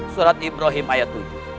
surat ibrahim ayat tujuh